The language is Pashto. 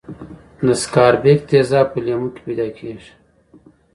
د سکاربیک تیزاب په لیمو کې پیداکیږي.